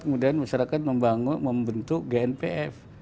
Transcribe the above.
kemudian masyarakat membentuk gnpf